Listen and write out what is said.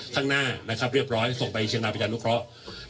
ข้างหน้านะครับเรียบร้อยส่งไปเชียงรายประชานุเคราะห์